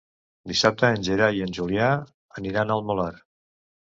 Dissabte en Gerai i en Julià aniran al Molar.